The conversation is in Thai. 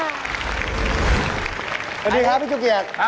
สวัสดีครับพี่จุกเกียรติ